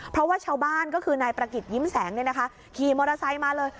เพราะว่าชาวบ้านก็คือนายประกิจยิ้มแสงขี่มอเตอร์ไซค์มาเลย